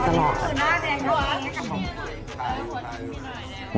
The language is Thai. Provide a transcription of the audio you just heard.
สุดท้ายแหละครับขอบคุณครับขอบคุณครับ